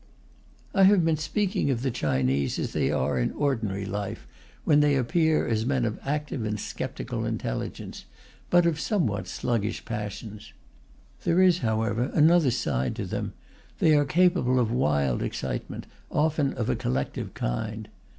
I have been speaking of the Chinese as they are in ordinary life, when they appear as men of active and sceptical intelligence, but of somewhat sluggish passions. There is, however, another side to them: they are capable of wild excitement, often of a collective kind.